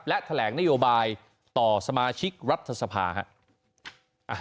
และแถลงนโยบายต่อสมาชิกรัฐสภาครับ